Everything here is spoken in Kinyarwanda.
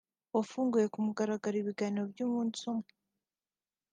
wafunguye ku mugaragaro ibi biganiro by’umunsi umwe